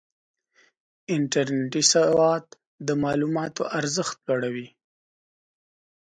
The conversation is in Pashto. انټرنېټي سواد د معلوماتو ارزښت لوړوي.